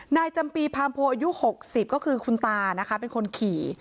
จำปีพามโพอายุ๖๐ก็คือคุณตานะคะเป็นคนขี่